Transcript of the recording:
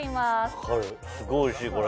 分かるすごいおいしいこれ。